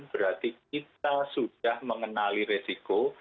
berarti kita sudah mengenali resiko